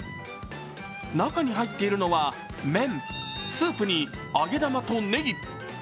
中に入っているのは麺、スープに揚げ玉とねぎ。